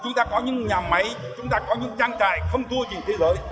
chúng ta có những nhà máy chúng ta có những trang trại không thua gì thế giới